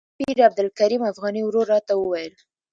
د پیر عبدالکریم افغاني ورور راته وویل.